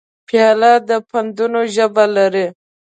پیاله د پندونو ژبه لري.